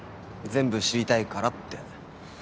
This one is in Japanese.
全部知りたいからって。